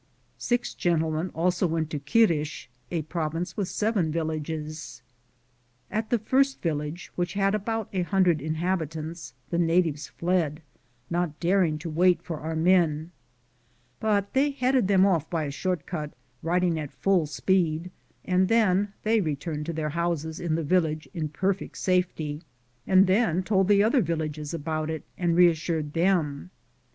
Six gentlemen also went to Quirix, a province with seven villages. At the first village, which had about a hundred inhabitants, the natives fled, not daring to wait for our men ; but they headed them off by a short cut, riding at full speed, and then they returned to their houses in the village in perfect safety, and then told the other villagers about it and reassured them.